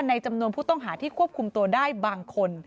ในจำนวนผู้ต้องหาที่ควบคุมตัวได้บางคน